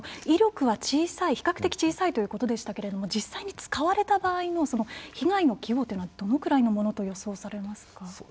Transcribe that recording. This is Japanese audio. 威力は比較的小さいということでしたけれども実際に使われた場合の被害の規模っていうのはどのくらいのものと予想されますか。